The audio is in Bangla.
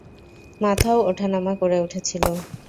মাথাও ওঠানামা করে উঠেছিল।